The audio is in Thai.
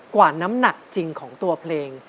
กว่าน้ำหนักจริงของตัวเพลง